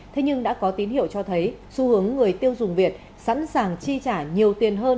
thế nhưng đã có tín hiệu cho thấy xu hướng người tiêu dùng việt sẵn sàng chi trả nhiều tiền hơn